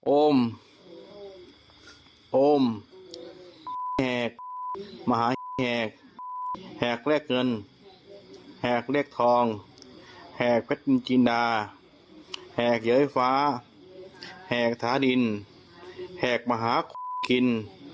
โอมโอมแหกมหาแหกแหกแลกเงินแหกเลขทองแหกเพชรจินดาแหกเย้ยฟ้าแหกถาดินแหกมหากิน